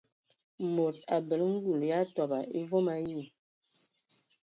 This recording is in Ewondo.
Mod abələ ngul ya tobɔ vom ayi.